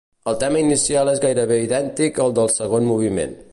El tema inicial és gairebé idèntic al del segon moviment.